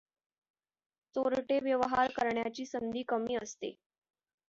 चोरटे व्यवहार करण्याची संधी कमी असते.